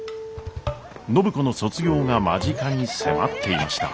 暢子の卒業が間近に迫っていました。